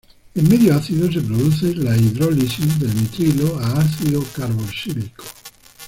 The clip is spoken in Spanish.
En medio ácido se produce la hidrólisis del nitrilo a ácido carboxílico.